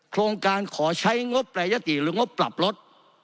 โครงการขอใช้งบแปรยติหรืองบปรับลด